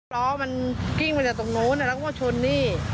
ล้อมันกิ้งมาจากตรงนู้นแล้วก็มาชนนี่